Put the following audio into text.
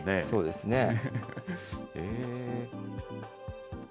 そうですね。